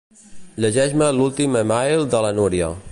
Llegeix-me l'últim email de la Núria.